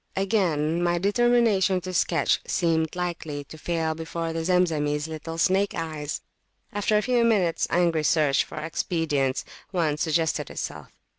Again, my determination to sketch seemed likely to fail before the Zemzemis little snakes eye. After a few minutes angry search for expedients, one suggested itself.